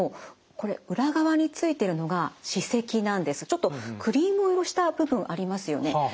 ちょっとクリーム色した部分ありますよね。